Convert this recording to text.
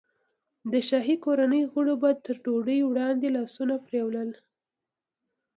د شاهي کورنۍ غړیو به تر ډوډۍ وړاندې لاسونه وینځل.